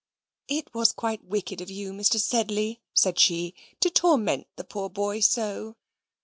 "It was quite wicked of you, Mr. Sedley," said she, "to torment the poor boy so."